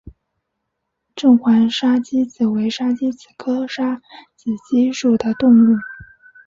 正环沙鸡子为沙鸡子科沙子鸡属的动物。